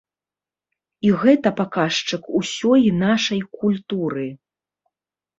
І гэта паказчык усёй нашай культуры.